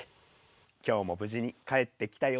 今日も無事に帰ってきたよ。